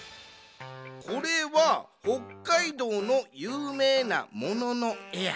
これは北海道のゆうめいなもののえや。